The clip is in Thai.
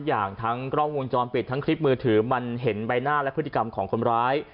อย่างทั้งกล้องวงจรปิดทั้งคลิปมือถือมันเห็นใบหน้าและพฤติกรรมของคนร้าย